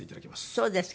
そうですか。